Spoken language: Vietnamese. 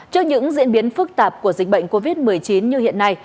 trước những diễn biến phức tạp của dịch bệnh covid một mươi chín như hiện nay